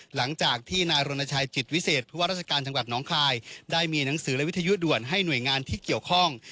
หลังจากที่นายรณชัยจิตวิเศษผู้ว่าราชการจังหวัดน้องคายได้มีหนังสือและวิทยุด่วนให้หน่วยงานที่เกี่ยวข้อง